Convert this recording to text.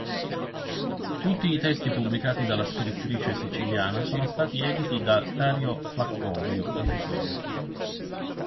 Tutti i testi pubblicati dalla scrittrice siciliana sono stati editi da Dario Flaccovio Editore.